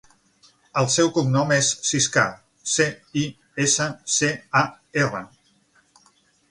El seu cognom és Ciscar: ce, i, essa, ce, a, erra.